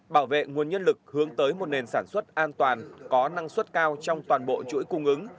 bảo vệ nguồn nhân lực hướng tới một nền sản xuất an toàn có năng suất cao trong toàn bộ chuỗi cung ứng